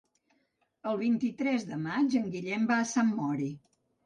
El vint-i-tres de maig en Guillem va a Sant Mori.